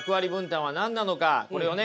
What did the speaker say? これをね